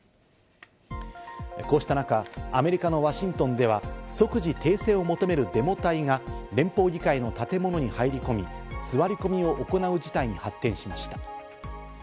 こうした中、アメリカのワシントンでは、即時停戦を求めるデモ隊が連邦議会の建物に入り込み、座り込みを行う事態に発展しました。